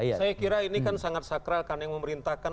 saya kira ini kan sangat sakral karena yang memerintahkan